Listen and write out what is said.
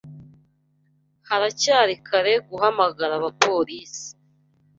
Haracyari kare guhamagara abapolisi.